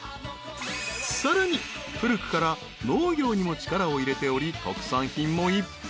［さらに古くから農業にも力を入れており］